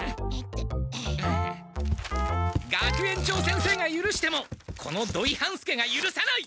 学園長先生がゆるしてもこの土井半助がゆるさない！